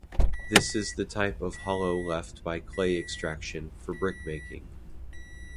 This is the type of hollow left by clay extraction for brick-making.